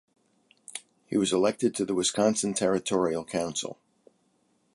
He was elected to the Wisconsin Territorial Council.